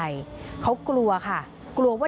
ที่สำคัญนะคะคุณผู้ชมตำรวจบอกยังไม่น่าไว้วางใจ